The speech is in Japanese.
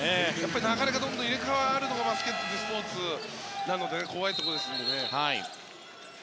流れがどんどん入れ替わるのがバスケットというスポーツなので怖いところですからね。